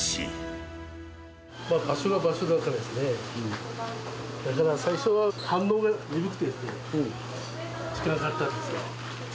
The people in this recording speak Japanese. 場所が場所だからね、だから最初は反応が鈍くてですね、つらかったですよ。